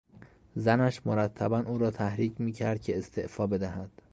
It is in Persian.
زنش مرتبا او را تحریک میکرد که استعفا بدهد.